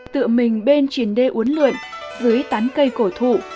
tự mình bên triển đê uốn lượn dưới tán cây cổ thụ